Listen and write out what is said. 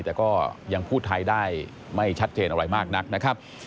แต่ก็ยังพูดไทยได้ไม่ชัดเจนอะไรมากนักนะครับ